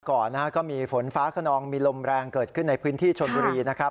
ก่อนนะฮะก็มีฝนฟ้าขนองมีลมแรงเกิดขึ้นในพื้นที่ชนบุรีนะครับ